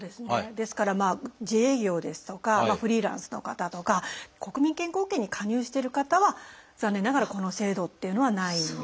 ですから自営業ですとかフリーランスの方とか国民健康保険に加入してる方は残念ながらこの制度っていうのはないんですよね。